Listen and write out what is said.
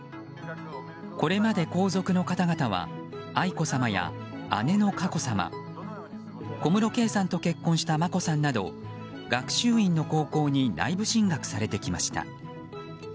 これまで、皇族の方々は愛子さまや、姉の佳子さま小室圭さんと結婚した眞子さんなど学習院の高校に内部進学されてきました。